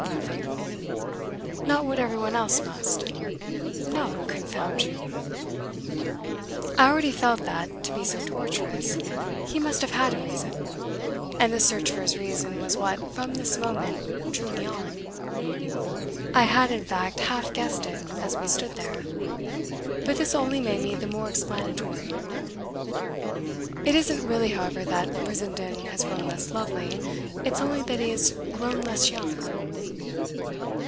"Nothing." "Not what everyone else must?" "No, confound you!" I already felt that, to be so tortuous, he must have had a reason, and the search for his reason was what, from this moment, drew me on. I had in fact half guessed it as we stood there. But this only made me the more explanatory. "It isn't really, however, that Brissenden has grown less lovely it's only that he has grown less young."